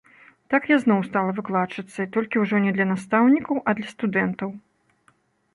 Так я зноў стала выкладчыцай, толькі ўжо не для настаўнікаў, а для студэнтаў.